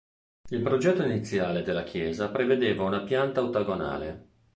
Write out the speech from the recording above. Il progetto iniziale della chiesa prevedeva una pianta ottagonale.